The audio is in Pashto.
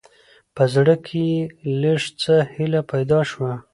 په زړه، کې يې لېږ څه هېله پېدا شوه.